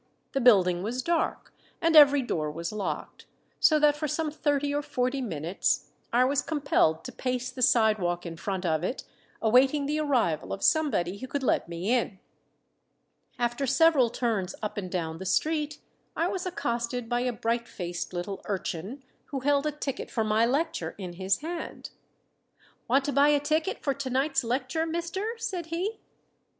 The building was dark, and every door was locked; so that for some thirty or forty minutes I was compelled to pace the sidewalk in front of it, awaiting the arrival of somebody who could let me in. After several turns up and down the street I was accosted by a bright faced little urchin who held a ticket for my lecture in his hand. "Want to buy a ticket for to night's lecture, mister?" said he.